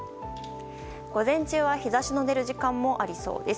午前中は日差しの出る時間もありそうです。